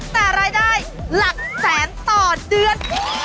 แต่รายได้หลักแสนต่อเดือน